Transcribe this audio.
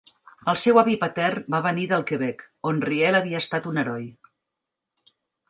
El seu avi patern va venir del Quebec, on Riel havia estat un heroi.